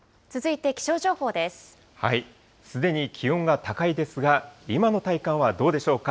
すでに気温が高いですが、今の体感はどうでしょうか。